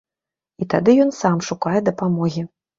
І тады ён сам шукае дапамогі.